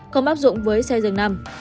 không áp dụng với xe dường nằm